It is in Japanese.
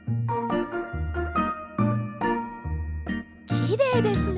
きれいですね。